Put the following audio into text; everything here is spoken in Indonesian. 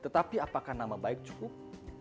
tetapi apakah nama baik cukup